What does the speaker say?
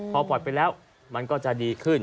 พอปล่อยไปแล้วมันก็จะดีขึ้น